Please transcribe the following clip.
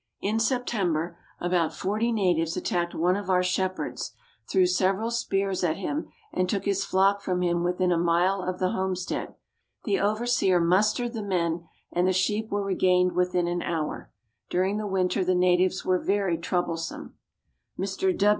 In September, about 40 natives attacked one of our shepherds, threw several spears at him, and took his flock from him within a mile of the homestead. The overseer mustered the men, and the sheep were regained within an hour. During the winter the natives were very troublesome. Mr.